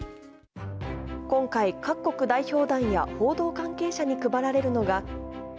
今回、各国代表団や報道関係者に配られるのが。